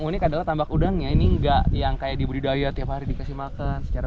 unik adalah tambak udangnya ini enggak yang kayak dibudidaya tiap hari dikasih makan secara